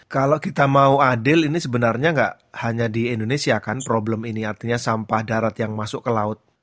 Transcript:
kalau kita mau adil ini sebenarnya nggak hanya di indonesia kan problem ini artinya sampah darat yang masuk ke laut